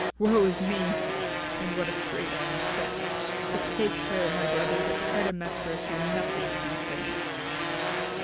Woe is me! in what a strait am I set! But take care, my brother, that Clytæmnestra hear nothing of these things."